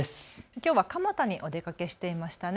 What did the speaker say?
きょうは蒲田にお出かけしていましたね。